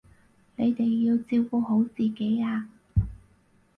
你哋要照顧好自己啊